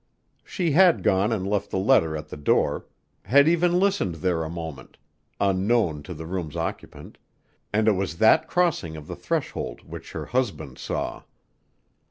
She had gone and left the letter at the door: had even listened there a moment, unknown to the room's occupant, and it was that crossing of her threshold which her husband saw.